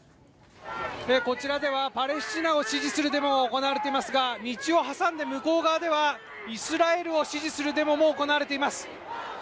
こちらではパレスチナを支持するデモが行われていますが道を挟んで向こう側ではイスラエルを支持するデモも行われています。